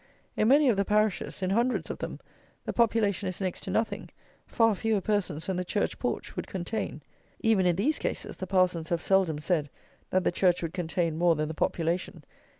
In many of the parishes, in hundreds of them, the population is next to nothing, far fewer persons than the church porch would contain. Even in these cases the parsons have seldom said that the church would contain more than the population!